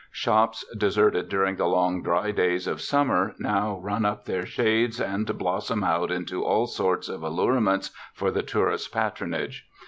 Shops deserted during the long, dry days of sum mer now run up their shades and blossom out into all sorts of allurements for the tourists' patronage.